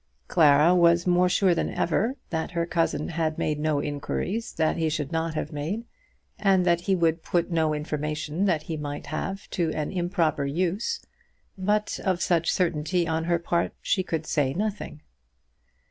Clara was more sure than ever that her cousin had made no inquiries that he should not have made, and that he would put no information that he might have to an improper use. But of such certainty on her part she could say nothing.